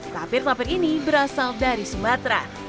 tapir tapir ini berasal dari sumatera